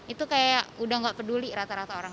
itu kayak udah gak peduli rata rata orang